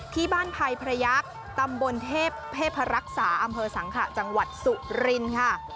ที่บ้านภัยพระยักษ์ตำบลเทพเทพรักษาอำเภอสังขะจังหวัดสุรินค่ะ